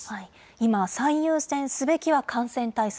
今、最優先すべきは感染対策。